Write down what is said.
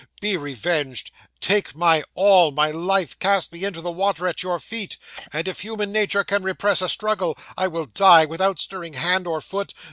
"Be revenged; take my all, my life; cast me into the water at your feet, and, if human nature can repress a struggle, I will die, without stirring hand or foot.